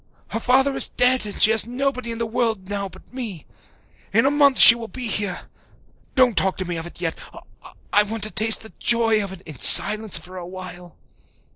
Her father is dead and she has nobody in the world now but me. In a month she will be here. Don't talk to me of it yet I want to taste the joy of it in silence for a while."